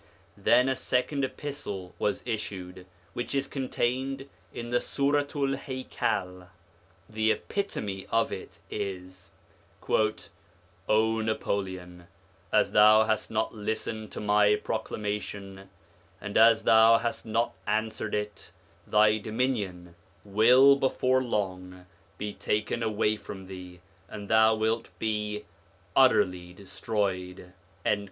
Then a second epistle was issued, which is contained in the Suratu'l Haikal. 2 The epitome of it is :' Oh Napoleon, as thou hast not listened to my proclamation, and as thou hast not answered it, thy dominion will before long be taken away from thee and thou wilt be utterly destroyed.'